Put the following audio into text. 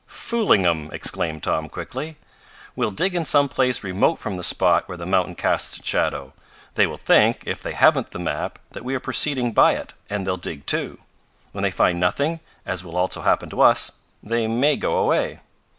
"Fooling 'em!" exclaimed Tom quickly. "We'll dig in some place remote from the spot where the mountain casts its shadow. They will think, if they haven't the map, that we are proceeding by it, and they'll dig, too. When they find nothing, as will also happen to us, they may go away.